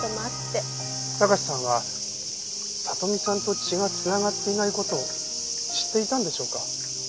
貴史さんは里美さんと血が繋がっていない事を知っていたんでしょうか？